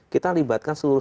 kita libatkan seluruh